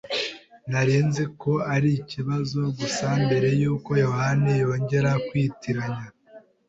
Nari nzi ko ari ikibazo gusa mbere yuko yohani yongera kwitiranya.